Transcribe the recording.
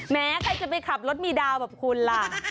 แม้ใครจะไปขับรถมีดาวแบบคุณล่ะ